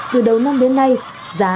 từ đầu năm đến nay giá